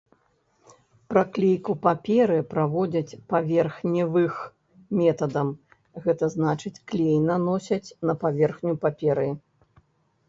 Праклейку паперы праводзяць паверхневых метадам, гэта значыць клей наносяць на паверхню паперы.